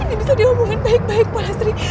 ini bisa dihubungkan baik baik pak lestri